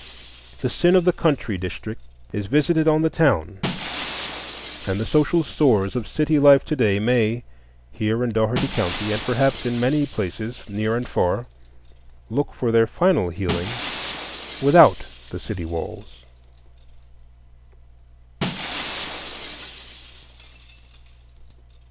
The sin of the country districts is visited on the town, and the social sores of city life to day may, here in Dougherty County, and perhaps in many places near and far, look for their final healing without the city walls.